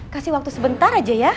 kasih waktu sebentar aja ya